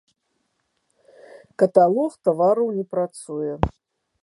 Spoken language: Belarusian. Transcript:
Каталог тавараў не працуе.